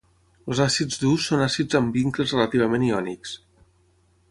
Els àcids durs són àcids amb vincles relativament iònics.